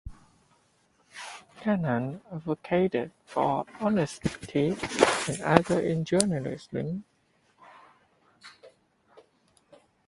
Canham advocated for honesty and ethics in journalism.